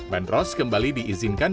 bandros kembali diizinkan